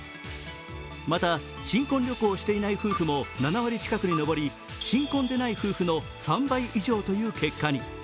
また、新婚旅行をしていない夫婦も７割以上に上り、新婚でない夫婦の３倍以上という結果に。